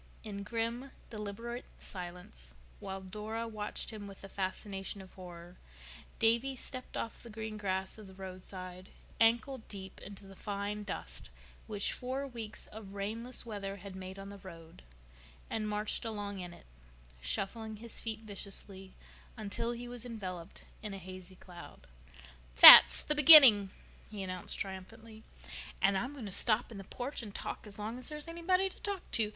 In grim, deliberate silence, while Dora watched him with the fascination of horror, Davy stepped off the green grass of the roadside, ankle deep into the fine dust which four weeks of rainless weather had made on the road, and marched along in it, shuffling his feet viciously until he was enveloped in a hazy cloud. "That's the beginning," he announced triumphantly. "And I'm going to stop in the porch and talk as long as there's anybody there to talk to.